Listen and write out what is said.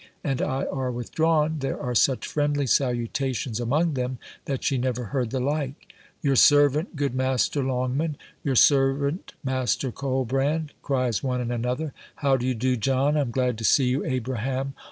and I are withdrawn, there are such friendly salutations among them, that she never heard the like "Your servant, good Master Longman:" "Your servant, Master Colbrand," cries one and another: "How do you, John?" "I'm glad to see you, Abraham!"